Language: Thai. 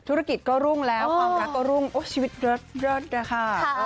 ธุรกิจก็รุ่งแล้วความรักก็รุ่งชีวิตเลิศนะคะ